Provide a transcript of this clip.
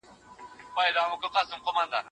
زموږ هېواد هم سیاسي علومو ته اړتیا لري.